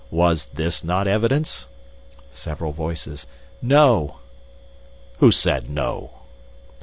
Was this not evidence?' (Several voices, 'No.') 'Who said no?'